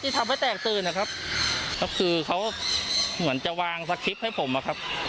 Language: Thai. ทำให้แตกตื่นนะครับก็คือเขาเหมือนจะวางสคริปต์ให้ผมอะครับ